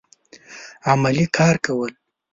عملي کار کول